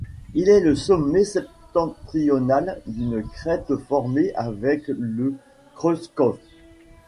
Il est le sommet septentrional d'une crête formée avec le Kreuzkopf.